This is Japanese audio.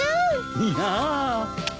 いや。